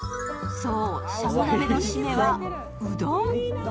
そう、しゃも鍋の締めは、うどん。